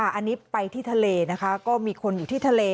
อันนี้ไปที่ทะเลนะคะก็มีคนอยู่ที่ทะเล